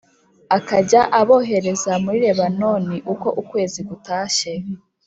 Akajya abohereza muri Lebanoni uko ukwezi gutashye